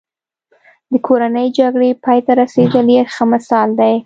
د کورنۍ جګړې پای ته رسېدل یې ښه مثال دی.